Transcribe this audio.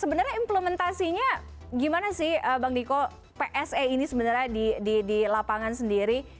sebenarnya implementasinya gimana sih bang diko pse ini sebenarnya di lapangan sendiri